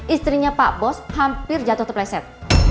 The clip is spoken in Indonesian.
istrinya pak bos hampir jatuh terpleset